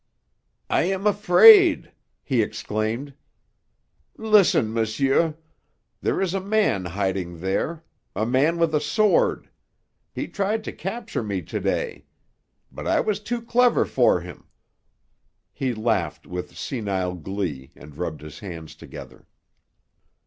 "I am afraid!" he exclaimed. "Listen, monsieur! There is a man hiding there a man with a sword. He tried to capture me to day. But I was too clever for him." He laughed with senile glee and rubbed his hands together.